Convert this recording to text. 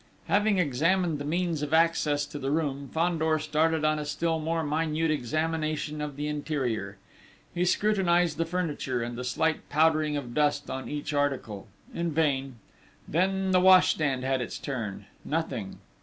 Having examined the means of access to the room, Fandor started on a still more minute examination of the interior. He scrutinised the furniture and the slight powdering of dust on each article: in vain!... Then the washstand had its turn: nothing!...